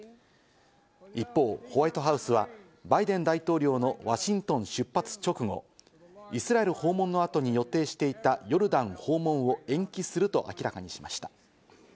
一方、ホワイトハウスは、バイデン大統領のワシントン出発直後、イスラエル訪問の後に予定していたヨルダン訪問を延期すると明らかにしました。